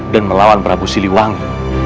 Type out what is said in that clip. dan melawan prabu siliwangi